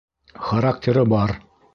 Характеры бар.